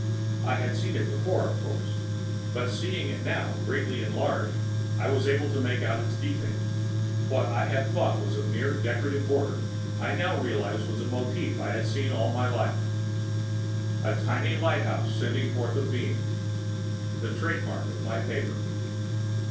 I had seen it before, of course, but seeing it now, greatly enlarged, I was able to make out its detail. What I had thought was a mere decorative border, I now realized was a motif I have seen all my life! A tiny lighthouse sending forth a beam! The trademark of my paper!